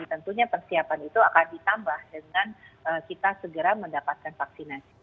tentunya persiapan itu akan ditambah dengan kita segera mendapatkan vaksinasi